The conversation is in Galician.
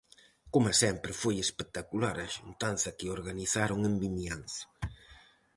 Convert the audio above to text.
Coma sempre foi espectacular a xuntanza que organizaron en Vimianzo.